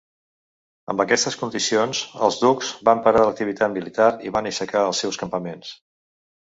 Amb aquestes condicions els ducs van parar l'activitat militar i van aixecar els seus campaments.